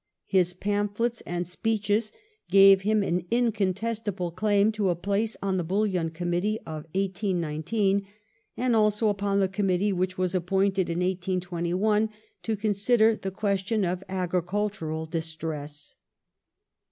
His pamph lets and speeches gave him an incontestable claim to a place on the Bullion Committee of 1819, and also upon the Committee which was appointed in 1821 to consider the question of agricultural distress.